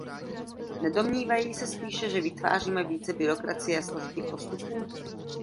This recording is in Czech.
Nedomnívají se spíše, že vytváříme více byrokracie a složitých postupů?